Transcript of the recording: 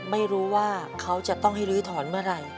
ไม่รู้ว่าเขาจะต้องให้ลื้อถอนเมื่อไหร่